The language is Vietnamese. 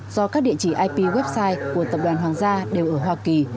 do các địa chỉ ip website của tập đoàn hoàng gia đều ở hoa kỳ